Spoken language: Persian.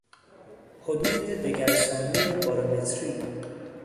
حدود دگرسانی بارومتری